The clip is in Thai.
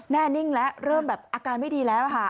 แน่นิ่งแล้วเริ่มแบบอาการไม่ดีแล้วค่ะ